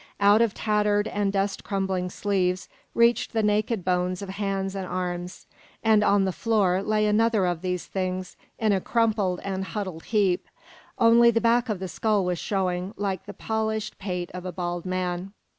Out of tattered and dust crumbling sleeves reached the naked bones of hands and arms. And on the floor lay another of these things, in a crumpled and huddled heap, only the back of the skull showing, like the polished pate of a bald man.